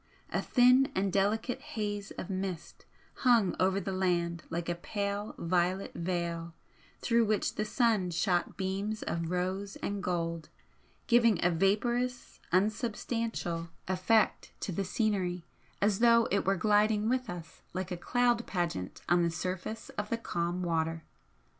A thin and delicate haze of mist hung over the land like a pale violet veil through which the sun shot beams of rose and gold, giving a vaporous unsubstantial effect to the scenery as though it were gliding with us like a cloud pageant on the surface of the calm water.